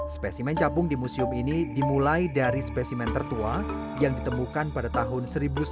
spesimen capung di museum ini dimulai dari spesimen tertua yang ditemukan pada tahun seribu sembilan ratus sembilan puluh